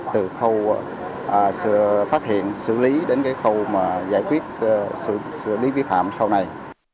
từ khâu phát hiện xử lý đến cái khâu giải quyết xử lý vi phạm sau này